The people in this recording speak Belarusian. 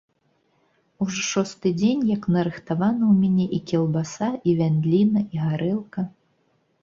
Ужо шосты дзень, як нарыхтавана ў мяне і кілбаса, і вяндліна, і гарэлка.